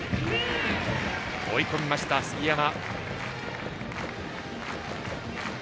追い込みました、杉山。